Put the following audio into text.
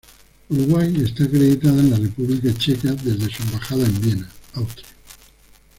Uruguay está acreditada en la República Checa desde su embajada en Viena, Austria.